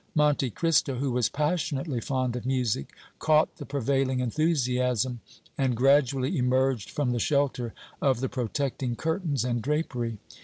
Monte Cristo who was passionately fond of music, caught the prevailing enthusiasm and gradually emerged from the shelter of the protecting curtains and drapery.